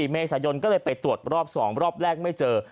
เมษายนก็เลยไปตรวจรอบ๒รอบแรกไม่เจอ